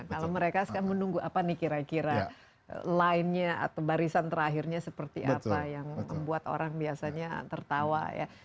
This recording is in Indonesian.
kalau mereka sekarang menunggu apa nih kira kira line nya atau barisan terakhirnya seperti apa yang membuat orang biasanya tertawa ya